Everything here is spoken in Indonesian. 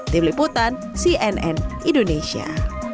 tim liputan cnn indonesia